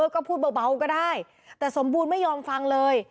ก็พูดเบาก็ได้แต่สมบูรณ์ไม่ยอมฟังเลย